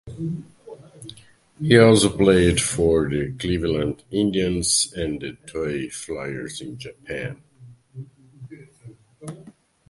He also played for the Cleveland Indians and the Toei Flyers in Japan.